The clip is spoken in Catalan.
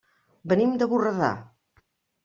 Venim de Borredà.